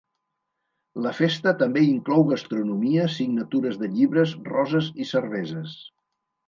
La festa també inclou gastronomia, signatures de llibres, roses i cerveses.